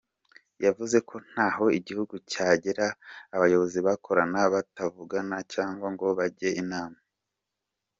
Yavuze ko ntaho igihugu cyagera abayobozi bakorana batavugana cyangwa ngo bajye inama.